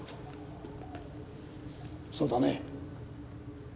そうだね？